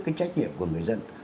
cái trách nhiệm của người dân